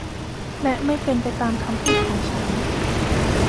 และไม่เป็นไปตามคำพูดของฉัน